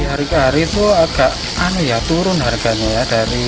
hari ke hari itu agak turun harganya ya